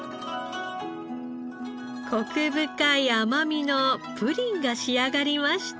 コク深い甘みのプリンが仕上がりました。